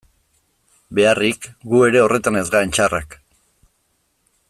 Beharrik, gu ere horretan ez garen txarrak...